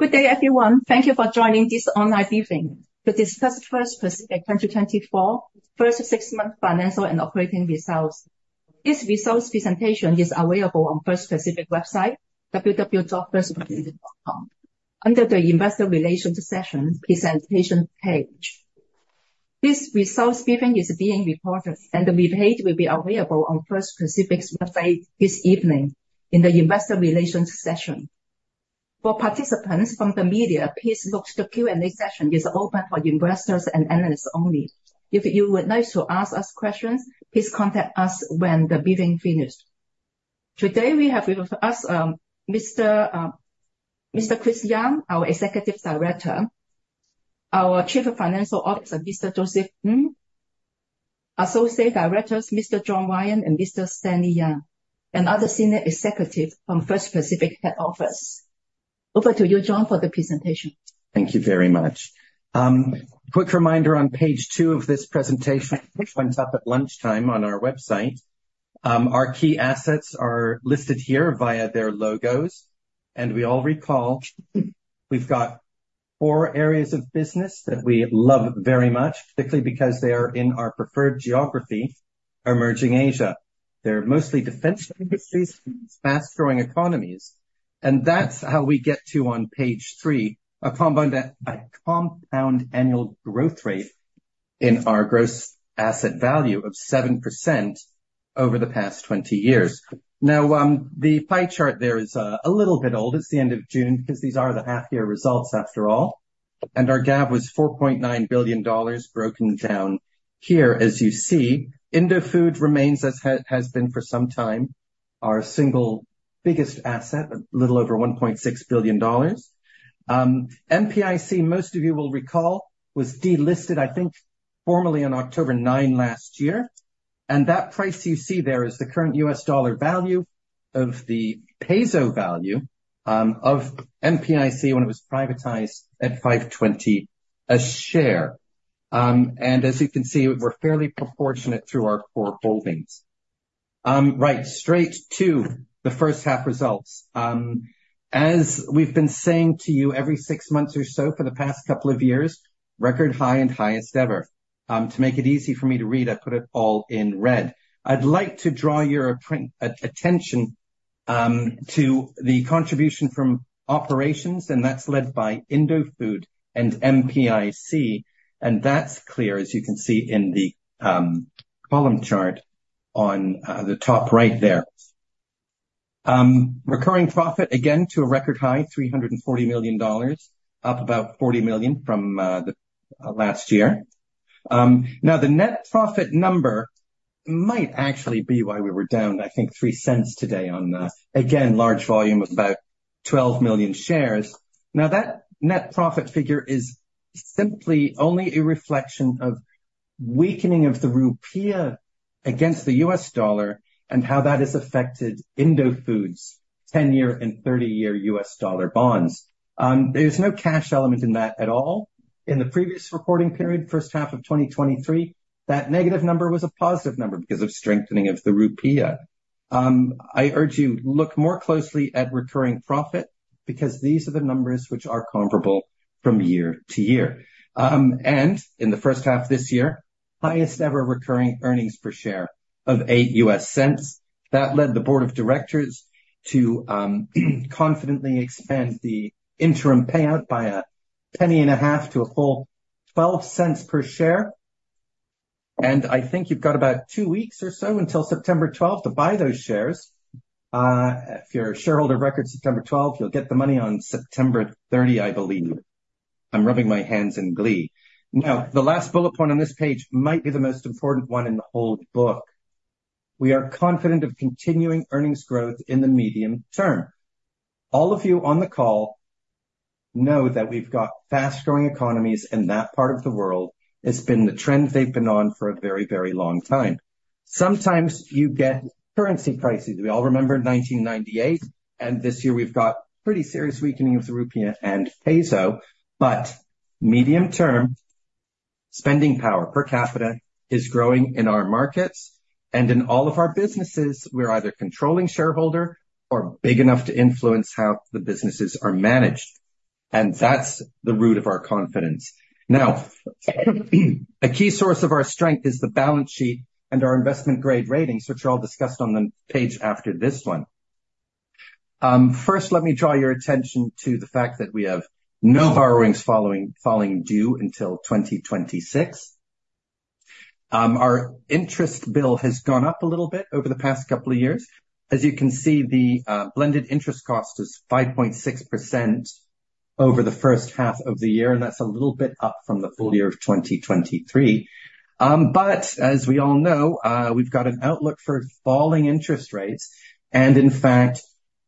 Good day, everyone. Thank you for joining this online briefing to discuss First Pacific 2024, first six-month financial and operating results. This results presentation is available on First Pacific website, www.firstpacific.com, under the Investor Relations section presentation page. This results briefing is being recorded and the replay will be available on First Pacific's website this evening in the Investor Relations section. For participants from the media, please note the Q&A session is open for investors and analysts only. If you would like to ask us questions, please contact us when the briefing finishes. Today we have with us, Mr. Chris Young, our Executive Director, our Chief Financial Officer, Mr. Joseph Ng, Associate Directors, Mr. John Ryan and Mr. Stanley Yang, and other senior executives from First Pacific head office. Over to you, John, for the presentation. Thank you very much. Quick reminder, on page two of this presentation, which went up at lunchtime on our website, our key assets are listed here via their logos, and we all recall we've got four areas of business that we love very much, particularly because they are in our preferred geography, emerging Asia. They're mostly defense industries, fast-growing economies, and that's how we get to, on page three, a compound annual growth rate in our gross asset value of 7% over the past 20 years. Now, the pie chart there is a little bit old. It's the end of June, because these are the half year results after all, and our GAV was HK$4.9 billion broken down here. As you see, Indofood remains, as has been for some time, our single biggest asset, a little over $1.6 billion. MPIC, most of you will recall, was delisted, I think, formally on October nine last year, and that price you see there is the current US dollar value of the peso value of MPIC when it was privatized at ₱520 a share, and as you can see, we're fairly proportionate through our core holdings. Right, straight to the first half results. As we've been saying to you every six months or so for the past couple of years, record high and highest ever. To make it easy for me to read, I put it all in red. I'd like to draw your attention to the contribution from operations, and that's led by Indofood and MPIC, and that's clear, as you can see in the column chart on the top right there. Recurring profit, again, to a record high, $340 million, up about $40 million from the last year. Now, the net profit number might actually be why we were down, I think $0.03 today on the again, large volume of about 12 million shares. Now, that net profit figure is simply only a reflection of weakening of the rupiah against the US dollar and how that has affected Indofood's 10-year and 30-year US dollar bonds. There's no cash element in that at all. In the previous reporting period, first half of 2023, that negative number was a positive number because of strengthening of the rupiah. I urge you, look more closely at recurring profit because these are the numbers which are comparable from year to year. And in the first half of this year, highest ever recurring earnings per share of $0.08. That led the board of directors to confidently expand the interim payout by $0.015 to a full $0.12 per share. And I think you've got about two weeks or so until September twelfth to buy those shares. If you're a shareholder of record September twelfth, you'll get the money on September 30, I believe. I'm rubbing my hands in glee. Now, the last bullet point on this page might be the most important one in the whole book. We are confident of continuing earnings growth in the medium term. All of you on the call know that we've got fast-growing economies in that part of the world. It's been the trend they've been on for a very, very long time. Sometimes you get currency crises. We all remember in nineteen ninety-eight, and this year we've got pretty serious weakening of the rupiah and peso. But medium term, spending power per capita is growing in our markets and in all of our businesses, we're either controlling shareholder or big enough to influence how the businesses are managed, and that's the root of our confidence. Now, a key source of our strength is the balance sheet and our investment grade ratings, which are all discussed on the page after this one. First, let me draw your attention to the fact that we have no borrowings falling due until 2026. Our interest bill has gone up a little bit over the past couple of years. As you can see, the blended interest cost is 5.6% over the first half of the year, and that's a little bit up from the full year of 2023. But as we all know, we've got an outlook for falling interest rates, and in fact,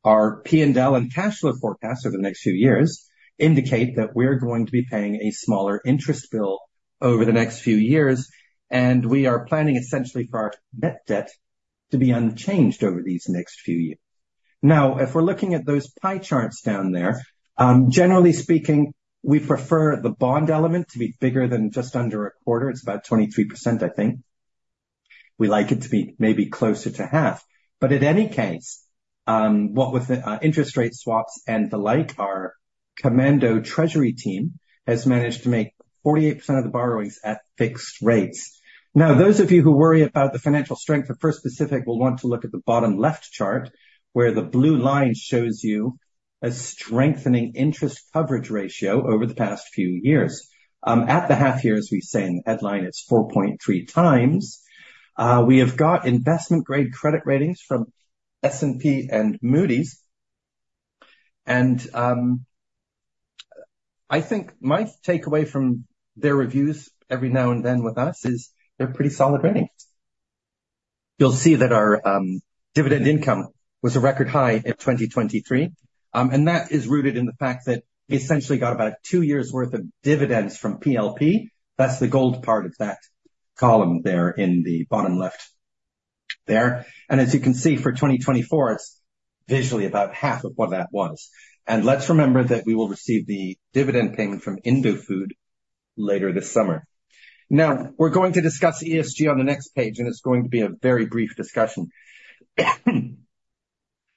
our P&L and cash flow forecast for the next few years indicate that we're going to be paying a smaller interest bill over the next few years, and we are planning essentially for our net debt to be unchanged over these next few years. Now, if we're looking at those pie charts down there, generally speaking, we prefer the bond element to be bigger than just under a quarter. It's about 23%, I think. We like it to be maybe closer to half. But in any case, what with the interest rate swaps and the like, our commando treasury team has managed to make 48% of the borrowings at fixed rates. Now, those of you who worry about the financial strength of First Pacific will want to look at the bottom left chart, where the blue line shows you a strengthening interest coverage ratio over the past few years. At the half year, as we say in the headline, it's 4.3x. We have got investment-grade credit ratings from S&P and Moody's. I think my takeaway from their reviews every now and then with us is they're pretty solid ratings. You'll see that our dividend income was a record high in 2023, and that is rooted in the fact that we essentially got about two years' worth of dividends from PLP. That's the gold part of that column there in the bottom left there. As you can see, for 2024, it's visually about half of what that was. Let's remember that we will receive the dividend payment from Indofood later this summer. Now, we're going to discuss ESG on the next page, and it's going to be a very brief discussion.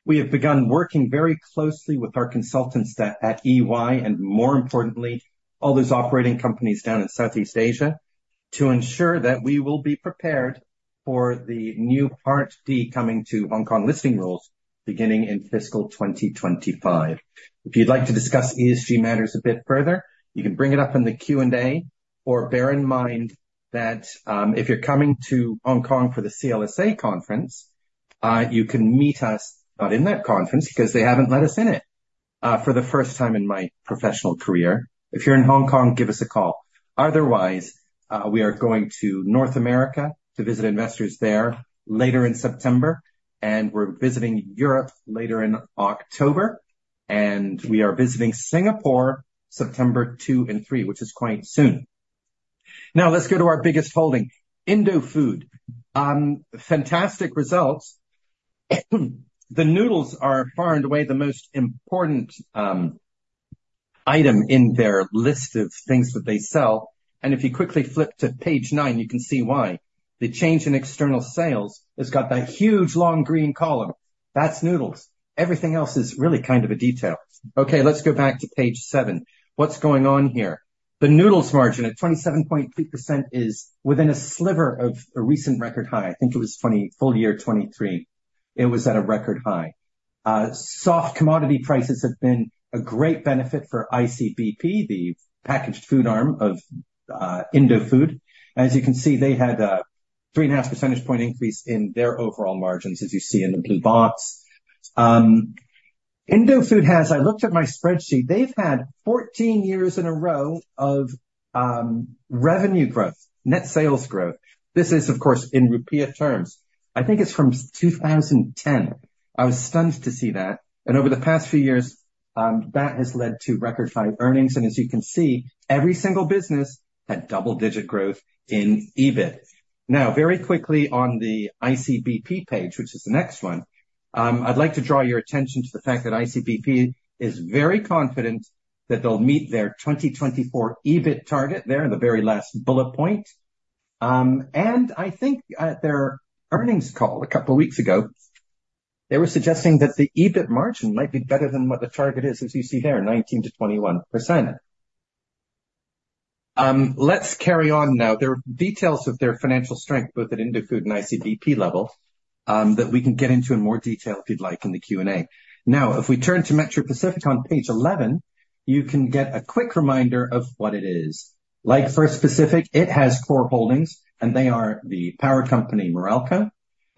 We have begun working very closely with our consultants at EY and more importantly, all those operating companies down in Southeast Asia, to ensure that we will be prepared for the new Part D coming to Hong Kong listing rules beginning in fiscal 2025. If you'd like to discuss ESG matters a bit further, you can bring it up in the Q&A, or bear in mind that, if you're coming to Hong Kong for the CLSA conference, you can meet us, not in that conference, because they haven't let us in it, for the first time in my professional career. If you're in Hong Kong, give us a call. Otherwise, we are going to North America to visit investors there later in September, and we're visiting Europe later in October, and we are visiting Singapore September two and three, which is quite soon. Now let's go to our biggest holding, Indofood. Fantastic results. The noodles are far and away the most important item in their list of things that they sell. And if you quickly flip to page nine, you can see why. The change in external sales has got that huge, long green column. That's noodles. Everything else is really kind of a detail. Okay, let's go back to page seven. What's going on here? The noodles margin at 27.3% is within a sliver of a recent record high. I think it was 23; full year 2023, it was at a record high. Soft commodity prices have been a great benefit for ICBP, the packaged food arm of Indofood. As you can see, they had a 3.5 percentage point increase in their overall margins, as you see in the blue box. Indofood has. I looked at my spreadsheet, they've had fourteen years in a row of revenue growth, net sales growth. This is, of course, in rupiah terms. I think it's from two thousand and ten. I was stunned to see that, and over the past few years, that has led to record high earnings, and as you can see, every single business had double-digit growth in EBIT. Now, very quickly, on the ICBP page, which is the next one, I'd like to draw your attention to the fact that ICBP is very confident that they'll meet their 2024 EBIT target there in the very last bullet point. And I think at their earnings call a couple of weeks ago, they were suggesting that the EBIT margin might be better than what the target is, as you see there, 19%-21%. Let's carry on now. There are details of their financial strength, both at Indofood and ICBP level, that we can get into in more detail if you'd like, in the Q&A. Now, if we turn to Metro Pacific on page 11, you can get a quick reminder of what it is. Like First Pacific, it has core holdings, and they are the power company, Meralco,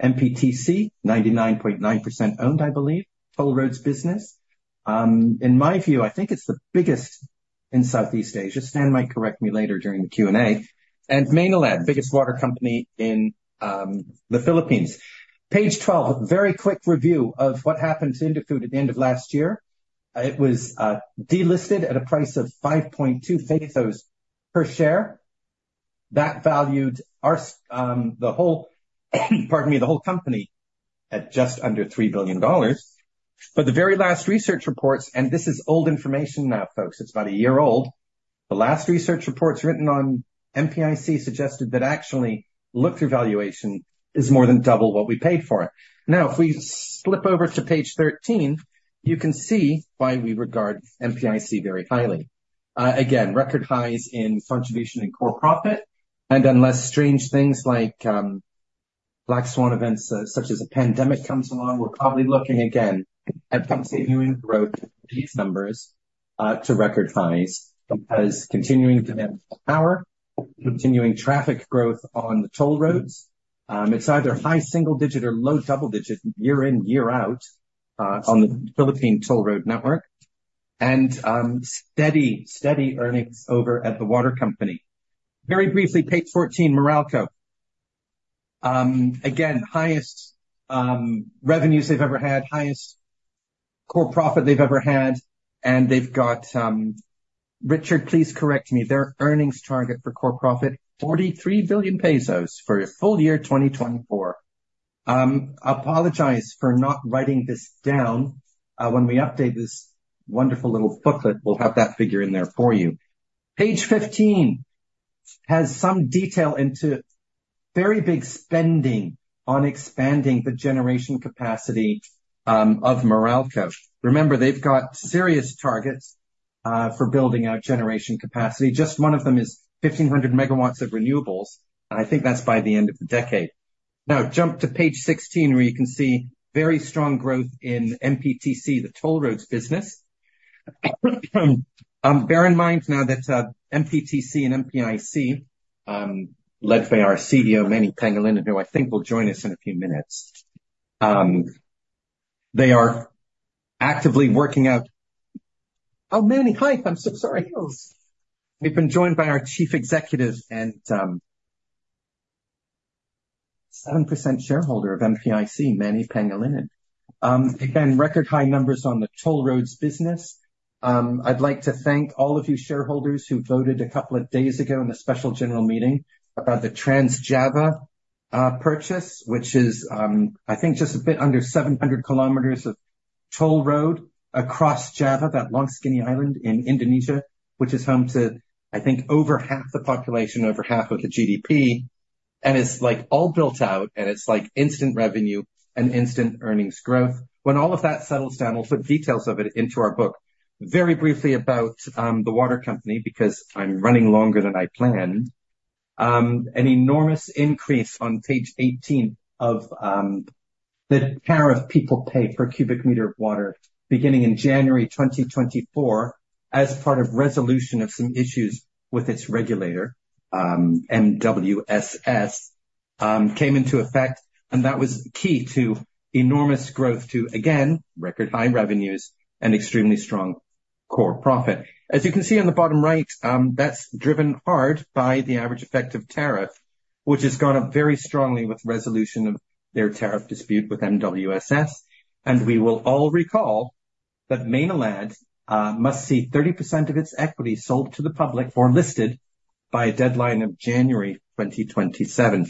MPTC, 99.9% owned, I believe, toll roads business. In my view, I think it's the biggest in Southeast Asia. Stan might correct me later during the Q&A. And Maynilad, biggest water company in, the Philippines. Page 12, a very quick review of what happened to Indofood at the end of last year. It was delisted at a price of ₱5.2 per share. That valued our, the whole, pardon me, the whole company at just under $3 billion, but the very last research reports, and this is old information now, folks, it's about a year old. The last research reports written on MPIC suggested that actually, look-through valuation is more than double what we paid for it. Now, if we flip over to page 13, you can see why we regard MPIC very highly. Again, record highs in contribution and core profit, and unless strange things like black swan events, such as a pandemic, comes along, we're probably looking again at continuing to grow these numbers to record highs, as continuing demand for power, continuing traffic growth on the toll roads. It's either high single digit or low double digit, year in, year out, on the Philippine toll road network. Steady earnings over at the water company. Very briefly, page 14, Meralco. Again, highest revenues they've ever had, highest core profit they've ever had, and they've got. Richard, please correct me, their earnings target for core profit, ₱43 billion for full year 2024. I apologize for not writing this down. When we update this wonderful little booklet, we'll have that figure in there for you. Page 15 has some detail into very big spending on expanding the generation capacity of Meralco. Remember, they've got serious targets for building out generation capacity. Just one of them is 1,500 megawatts of renewables, and I think that's by the end of the decade. Now jump to page 16, where you can see very strong growth in MPTC, the toll roads business. Bear in mind now that, MPTC and MPIC, led by our CEO, Manny Pangilinan, who I think will join us in a few minutes. They are actively working out- Oh, Manny, hi. I'm so sorry. We've been joined by our Chief Executive and 7% shareholder of MPIC, Manny Pangilinan. Again, record high numbers on the toll roads business. I'd like to thank all of you shareholders who voted a couple of days ago in a special general meeting about the Trans Java purchase, which is, I think just a bit under seven hundred kilometers of toll road across Java, that long, skinny island in Indonesia, which is home to, I think, over half the population, over half of the GDP, and it's, like, all built out, and it's like instant revenue and instant earnings growth. When all of that settles down, we'll put details of it into our book. Very briefly about the water company, because I'm running longer than I planned. An enormous increase on page 18 of the tariff people pay per cubic meter of water beginning in January 2024, as part of resolution of some issues with its regulator, MWSS, came into effect, and that was key to enormous growth to, again, record high revenues and extremely strong core profit. As you can see on the bottom right, that's driven hard by the average effective tariff, which has gone up very strongly with resolution of their tariff dispute with MWSS. And we will all recall that Maynilad must see 30% of its equity sold to the public or listed by a deadline of January 2027.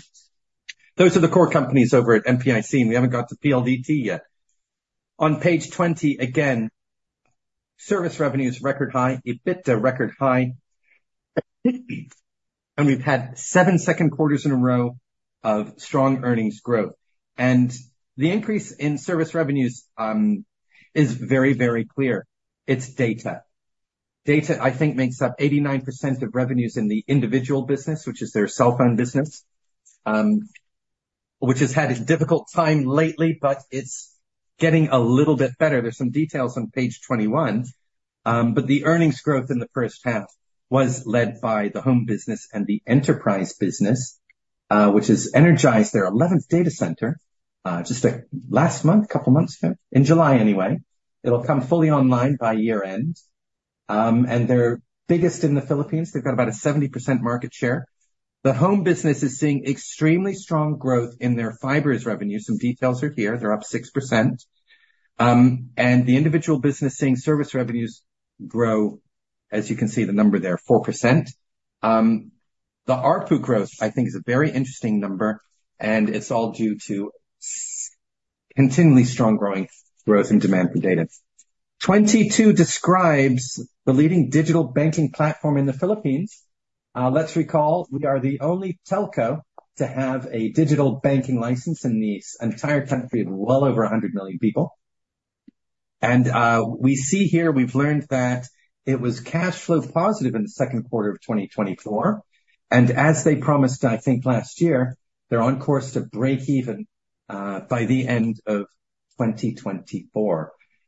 Those are the core companies over at MPIC, and we haven't got to PLDT yet. On page 20, again, service revenue is record high, EBITDA record high, and we've had seven straight quarters in a row of strong earnings growth. And the increase in service revenues is very, very clear. It's data. Data, I think, makes up 89% of revenues in the individual business, which is their cell phone business, which has had a difficult time lately, but it's getting a little bit better. There's some details on page 21, but the earnings growth in the first half was led by the home business and the enterprise business, which has energized their eleventh data center, just like last month, couple months ago, in July anyway. It'll come fully online by year-end. And they're biggest in the Philippines. They've got about a 70% market share. The home business is seeing extremely strong growth in their fibers revenue. Some details are here. They're up 6%, and the individual business seeing service revenues grow, as you can see the number there, 4%. The ARPU growth, I think, is a very interesting number, and it's all due to continually strong growth in demand for data. 22 describes the leading digital banking platform in the Philippines. Let's recall, we are the only telco to have a digital banking license in the entire country of well over 100 million people, and we see here we've learned that it was cash flow positive in the second quarter of 2024, and as they promised, I think last year, they're on course to break even by the end of 2024.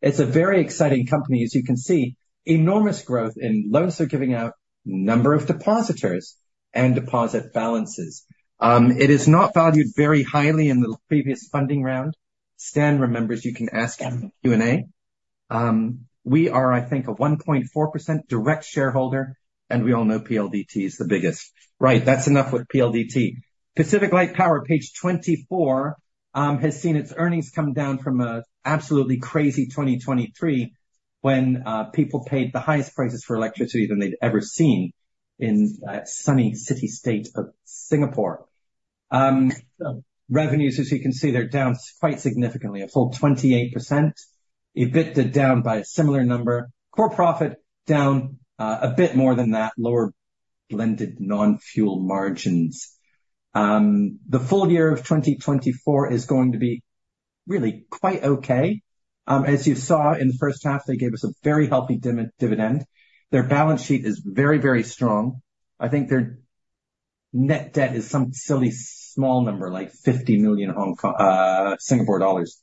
It's a very exciting company. As you can see, enormous growth in loans are giving out number of depositors and deposit balances. It is not valued very highly in the previous funding round. Stan remembers, you can ask him in the Q&A. We are, I think, a 1.4% direct shareholder, and we all know PLDT is the biggest. Right, that's enough with PLDT. PacificLight Power, page 24, has seen its earnings come down from a absolutely crazy 2023, when people paid the highest prices for electricity than they'd ever seen in sunny city-state of Singapore. Revenues, as you can see, they're down quite significantly, a full 28%. EBITDA down by a similar number. Core profit down a bit more than that. Lower blended non-fuel margins. The full year of 2024 is going to be really quite okay. As you saw in the first half, they gave us a very healthy dividend. Their balance sheet is very, very strong. I think their net debt is some silly small number, like 50 million Hong Kong, Singapore dollars.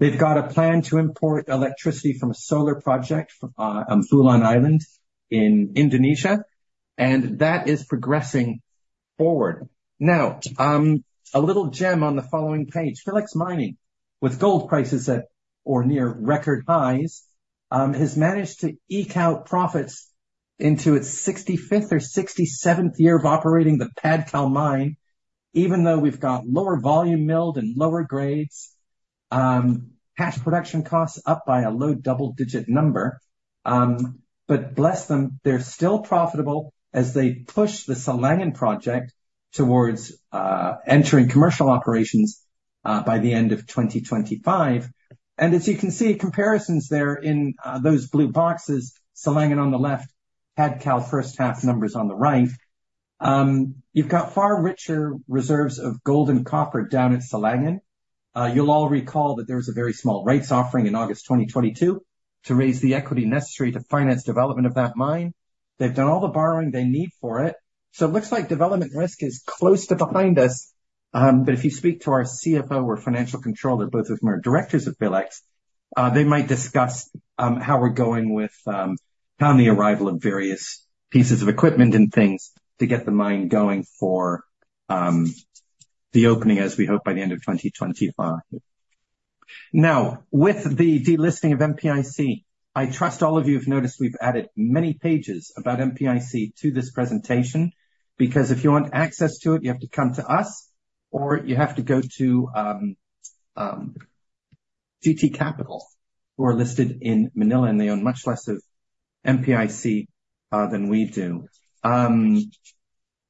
They've got a plan to import electricity from a solar project on Bulan Island in Indonesia, and that is progressing forward. Now, a little gem on the following page. Philex Mining, with gold prices at or near record highs, has managed to eke out profits into its sixty-fifth or sixty-seventh year of operating the Padcal Mine, even though we've got lower volume milled and lower grades. Cash production costs up by a low double-digit number. But bless them, they're still profitable as they push the Silangan project towards entering commercial operations by the end of 2025. And as you can see, comparisons there in those blue boxes, Silangan on the left, Padcal first half numbers on the right. You've got far richer reserves of gold and copper down at Silangan. You'll all recall that there was a very small rights offering in August 2022, to raise the equity necessary to finance development of that mine. They've done all the borrowing they need for it, so it looks like development risk is close to behind us. But if you speak to our CFO or financial controller, both of whom are directors of Philex, they might discuss how we're going with on the arrival of various pieces of equipment and things to get the mine going for the opening, as we hope by the end of 2025. Now, with the delisting of MPIC, I trust all of you have noticed we've added many pages about MPIC to this presentation, because if you want access to it, you have to come to us, or you have to go to GT Capital, who are listed in Manila, and they own much less of MPIC than we do.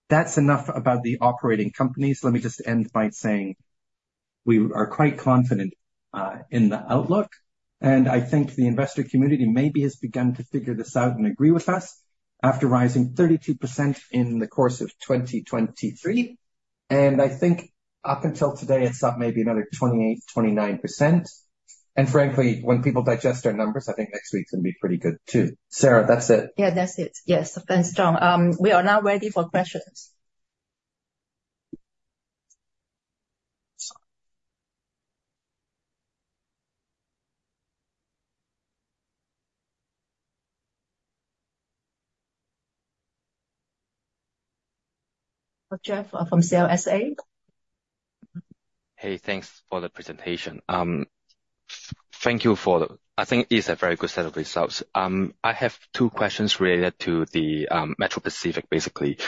That's enough about the operating companies. Let me just end by saying we are quite confident in the outlook, and I think the investor community maybe has begun to figure this out and agree with us after rising 32% in the course of 2023. And I think up until today, it's up maybe another 28%-29%. And frankly, when people digest their numbers, I think next week's going to be pretty good, too. Sarah, that's it? Yeah, that's it. Yes. Thanks, John. We are now ready for questions. Jeff, from CLSA. Hey, thanks for the presentation. Thank you for the—I think it's a very good set of results. I have two questions related to the Metro Pacific, basically.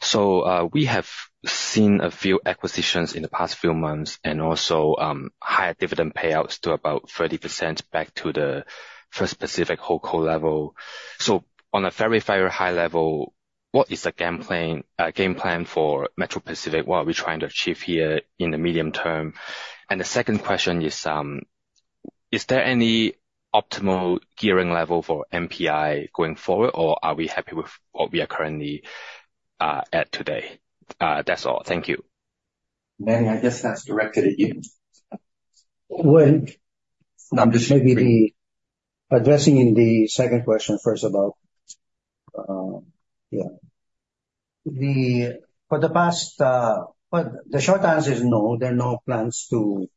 So, we have seen a few acquisitions in the past few months and also higher dividend payouts to about 30% back to the First Pacific whole core level. So on a very, very high level, what is the game plan, game plan for Metro Pacific? What are we trying to achieve here in the medium term? And the second question is, is there any optimal gearing level for MPI going forward, or are we happy with what we are currently at today? That's all. Thank you. Manny, I guess that's directed at you. Maybe addressing the second question first of all. The short answer is no, there are no plans to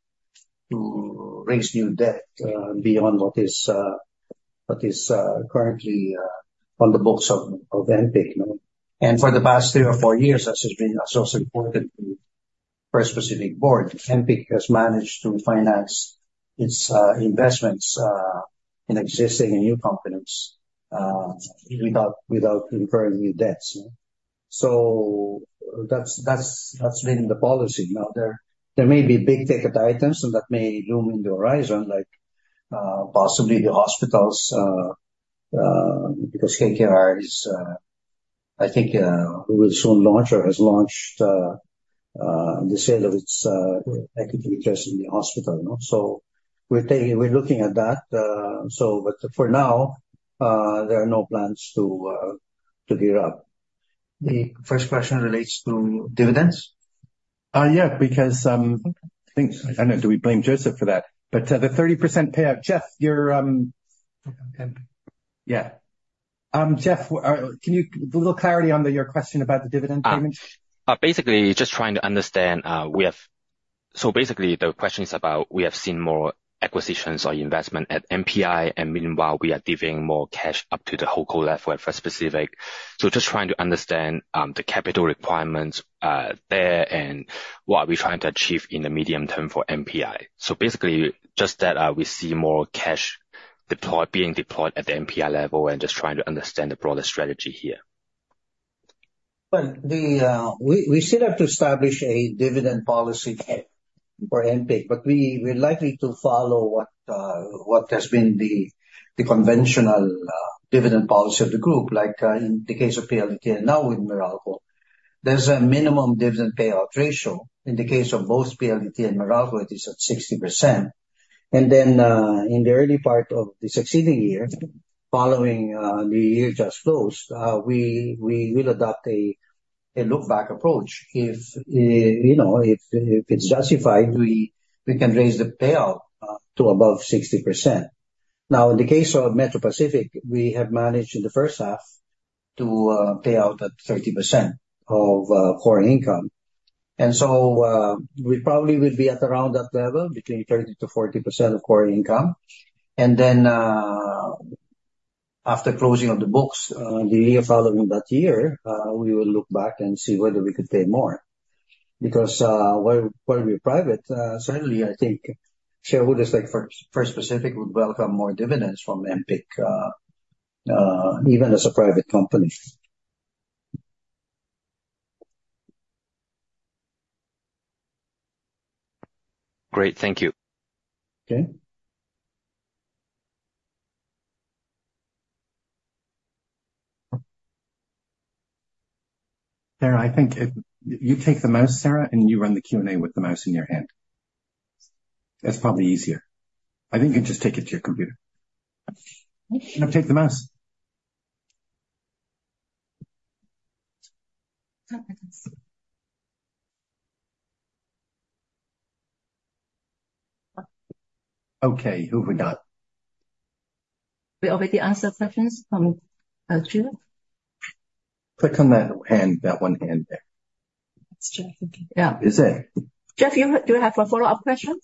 raise new debt beyond what is currently on the books of MPIC. And for the past three or four years, as has been also important for First Pacific board, MPIC has managed to finance its investments in existing and new companies without incurring new debts. That's been the policy. Now, there may be big-ticket items that may loom in the horizon, like possibly the hospitals because KKR, I think, will soon launch or has launched the sale of its equity interest in the hospital, you know. We're looking at that. But for now, there are no plans to gear up. The first question relates to dividends? Yeah, because I think, I know, do we blame Joseph for that? But, the 30% payout. Jeff, you're, Yeah. Jeff, can you... a little clarity on your question about the dividend payment? Basically, just trying to understand, we have. So basically, the question is about we have seen more acquisitions or investment at MPIC, and meanwhile, we are giving more cash up to the whole core level at First Pacific. So just trying to understand, the capital requirements there and what are we trying to achieve in the medium term for MPIC. So basically, just that, we see more cash deployed, being deployed at the MPIC level and just trying to understand the broader strategy here. We still have to establish a dividend policy for MPIC, but we're likely to follow what has been the conventional dividend policy of the group like in the case of PLDT, now with Meralco. There's a minimum dividend payout ratio. In the case of both PLDT and Meralco, it is at 60%. In the early part of the succeeding year, following the year just closed, we will adopt a look back approach if you know if it's justified, we can raise the payout to above 60%. Now, in the case of Metro Pacific, we have managed in the first half to pay out at 30% of core income. And so, we probably will be at around that level, between 30%-40% of core income. And then, after closing of the books, the year following that year, we will look back and see whether we could pay more. Because, while we're private, certainly I think shareholders like First Pacific would welcome more dividends from MPIC, even as a private company. Great. Thank you. Okay. Sarah, I think if you take the mouse, Sarah, and you run the Q&A with the mouse in your hand, that's probably easier. I think you just take it to your computer. No, take the mouse. Okay, who have we got? We already answered questions from Jeff. Click on that hand, that one hand there. It's Jeff. Yeah. Is it? Jeff, do you have a follow-up question?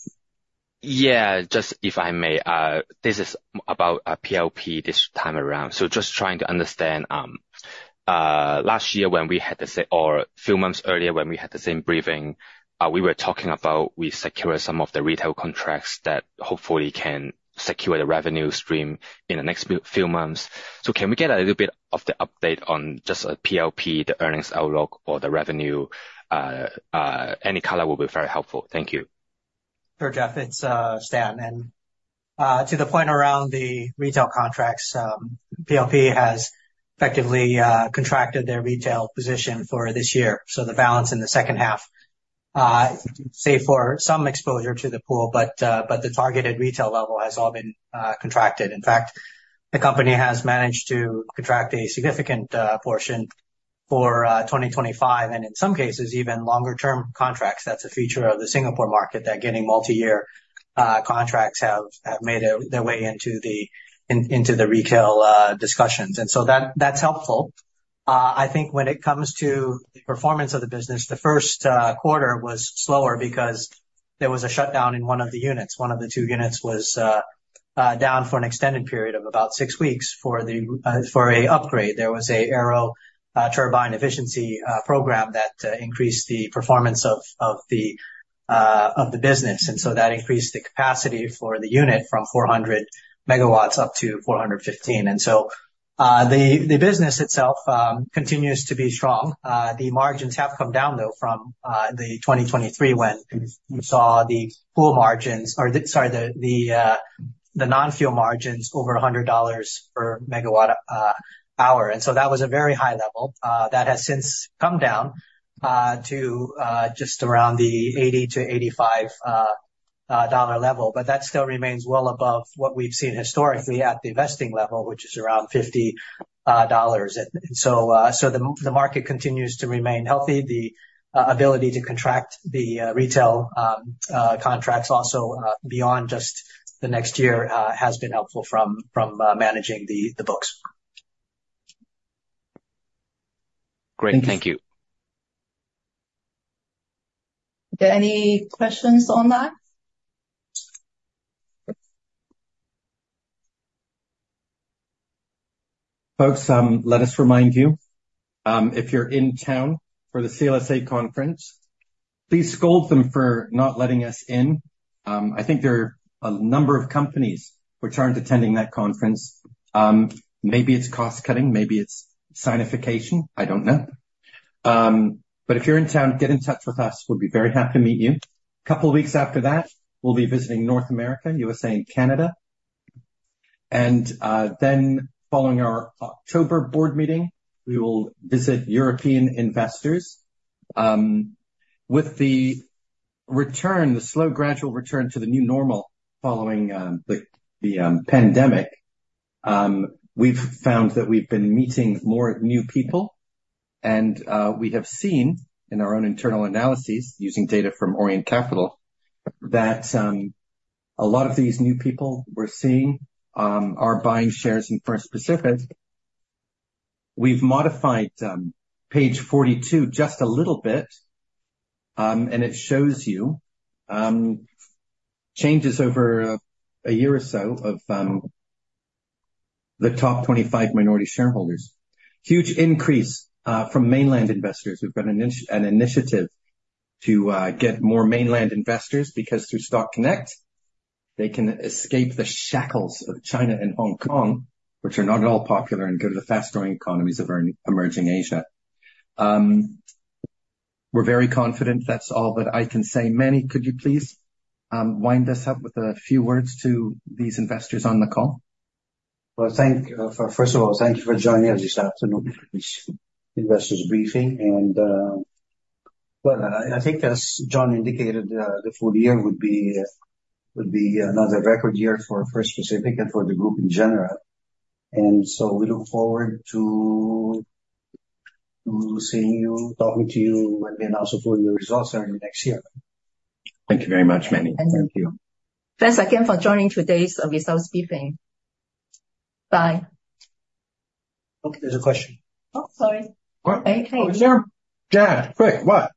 Yeah, just if I may, this is about PLP this time around. So just trying to understand, last year when we had the same or a few months earlier, when we had the same briefing, we were talking about, we secured some of the retail contracts that hopefully can secure the revenue stream in the next few months. So can we get a little bit of the update on just a PLP, the earnings outlook or the revenue? Any color will be very helpful. Thank you. Sure, Jeff, it's Stan. And to the point around the retail contracts, PLP has effectively contracted their retail position for this year. So the balance in the second half save for some exposure to the pool, but the targeted retail level has all been contracted. In fact, the company has managed to contract a significant portion for 2025, and in some cases, even longer term contracts. That's a feature of the Singapore market, that getting multi-year contracts have made their way into the retail discussions. And so that's helpful. I think when it comes to the performance of the business, the first quarter was slower because there was a shutdown in one of the units. One of the two units was down for an extended period of about six weeks for an upgrade. There was an aero-derivative turbine efficiency program that increased the performance of the business, and so that increased the capacity for the unit from 400 megawatts up to 415. And so, the business itself continues to be strong. The margins have come down, though, from 2023, when we saw the pool margins or the... Sorry, the non-fuel margins over $100 per megawatt hour. And so that was a very high level. That has since come down to just around the $80-$85 dollar level. But that still remains well above what we've seen historically at the investing level, which is around $50. And so, so the market continues to remain healthy. The ability to contract the retail contracts also beyond just the next year has been helpful from managing the books. Great. Thank you. Are there any questions on that? Folks, let us remind you, if you're in town for the CLSA conference, please scold them for not letting us in. I think there are a number of companies which aren't attending that conference. Maybe it's cost cutting, maybe it's sinification, I don't know. But if you're in town, get in touch with us. We'll be very happy to meet you. A couple of weeks after that, we'll be visiting North America, USA and Canada, and then following our October board meeting, we will visit European investors. With the return, the slow, gradual return to the new normal following the pandemic, we've found that we've been meeting more new people, and we have seen in our own internal analyses, using data from Orient Capital, that a lot of these new people we're seeing are buying shares in First Pacific. We've modified page 42 just a little bit, and it shows you changes over a year or so of the top 25 minority shareholders. Huge increase from mainland investors who've got an initiative to get more mainland investors, because through Stock Connect, they can escape the shackles of China and Hong Kong, which are not at all popular, and go to the fast-growing economies of emerging Asia. We're very confident. That's all that I can say. Manny, could you please, wind us up with a few words to these investors on the call? First of all, thank you for joining us this afternoon for this investors briefing. I think as John indicated, the full year would be another record year for First Pacific and for the group in general. We look forward to seeing you, talking to you, and then also for your results early next year. Thank you very much, Manny. Thank you. Thank you. Thanks again for joining today's results briefing. Bye. Okay, there's a question. Oh, sorry. What? Oh, Sarah. Jeff, quick, what?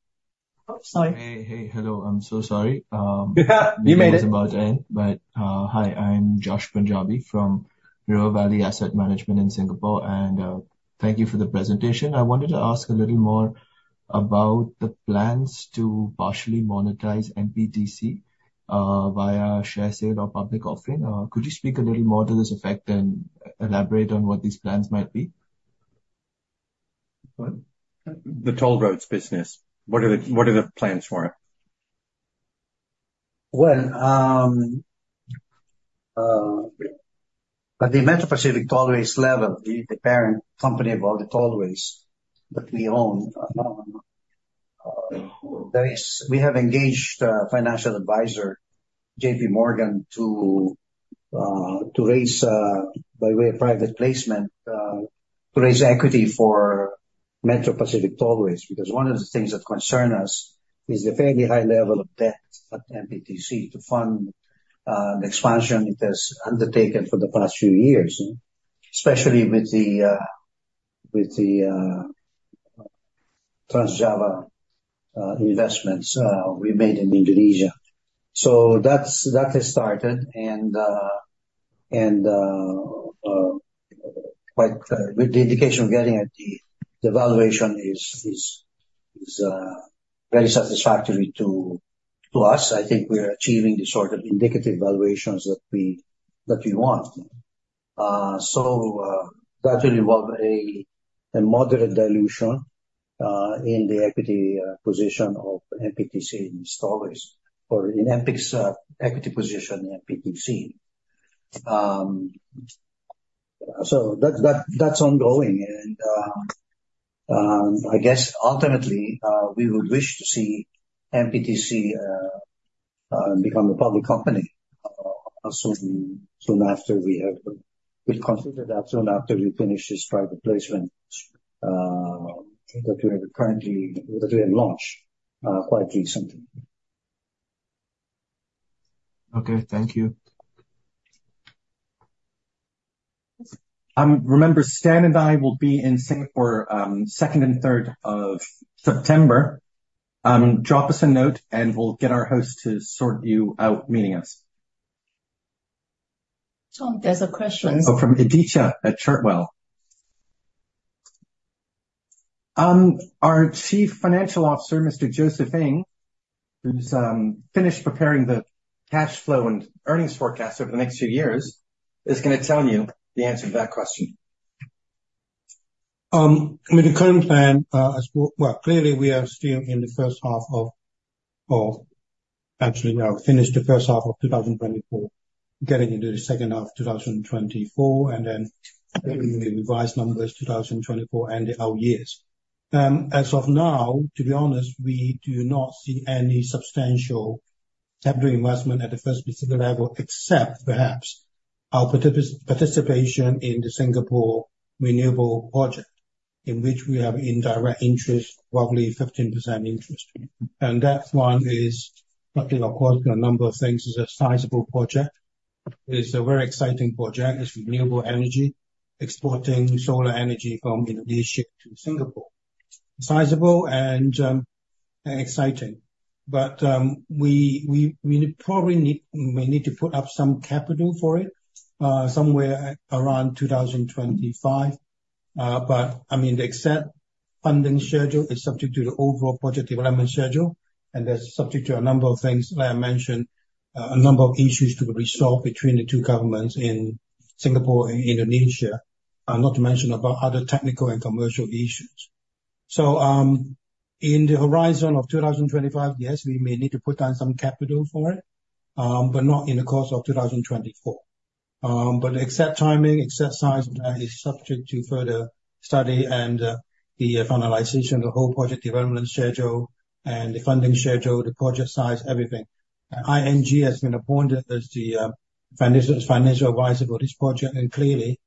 Oh, sorry. Hey, hey. Hello, I'm so sorry. You made it. It was about to end, but, hi, I'm Jyoti Punjabi from River Valley Asset Management in Singapore, and, thank you for the presentation. I wanted to ask a little more about the plans to partially monetize MPTC via share sale or public offering. Could you speak a little more to this effect and elaborate on what these plans might be?... The toll roads business, what are the plans for it? At the Metro Pacific Tollways level, the parent company of all the tollways that we own, we have engaged financial advisor J.P. Morgan to raise by way of private placement to raise equity for Metro Pacific Tollways. Because one of the things that concern us is the fairly high level of debt at MPTC to fund the expansion it has undertaken for the past few years, especially with the Trans Java investments we made in Indonesia. That has started. With the indication we're getting at the valuation is very satisfactory to us. I think we are achieving the sort of indicative valuations that we want. So that will involve a moderate dilution in the equity position of MPTC investors or in MPIC's equity position in MPTC. So that's ongoing. And I guess ultimately we would wish to see MPTC become a public company soon after we have... We'll consider that soon after we finish this private placement that we have launched quite recently. Okay, thank you. Remember, Stan and I will be in Singapore, second and third of September. Drop us a note, and we'll get our host to sort you out, meeting us. Tom, there's a question. Oh, from Aditya at Chartwell. Our Chief Financial Officer, Mr. Joseph Ng, who's finished preparing the cash flow and earnings forecast over the next few years, is gonna tell you the answer to that question. I mean, the current plan, as well, clearly, we are still in the first half of. Actually, we have finished the first half of 2024, getting into the second half of 2024, and then giving the revised numbers 2024 and our years. As of now, to be honest, we do not see any substantial capital investment at the first specific level, except perhaps our participation in the Singapore renewable project, in which we have indirect interest, roughly 15% interest. And that one is, of course, a number of things. It's a sizable project. It's a very exciting project. It's renewable energy, exporting solar energy from Indonesia to Singapore. Sizable and exciting. But we may need to put up some capital for it, somewhere around 2025. But, I mean, the exact funding schedule is subject to the overall project development schedule, and that's subject to a number of things. Like I mentioned, a number of issues to be resolved between the two governments in Singapore and Indonesia, not to mention about other technical and commercial issues. So, in the horizon of 2025, yes, we may need to put down some capital for it, but not in the course of 2024. But the exact timing, exact size, that is subject to further study and, the finalization of the whole project development schedule and the funding schedule, the project size, everything. ING has been appointed as the financial advisor for this project, and clearly,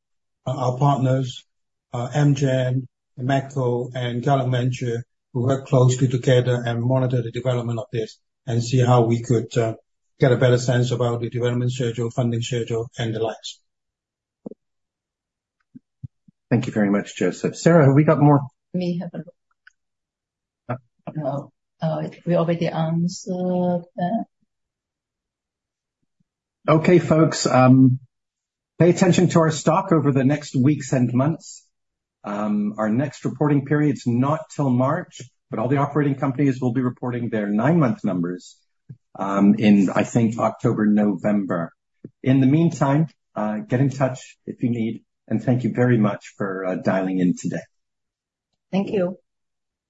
our partners, MGen, Medco Power, and Gallant Venture, will work closely together and monitor the development of this and see how we could get a better sense about the development schedule, funding schedule, and the likes. Thank you very much, Joseph. Sarah, have we got more? Let me have a look. No. We already answered that. Okay, folks, pay attention to our stock over the next weeks and months. Our next reporting period's not till March, but all the operating companies will be reporting their nine-month numbers in, I think, October, November. In the meantime, get in touch if you need, and thank you very much for dialing in today. Thank you.